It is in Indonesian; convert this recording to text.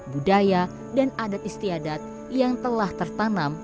budaya dan adat istiadat yang telah tertanam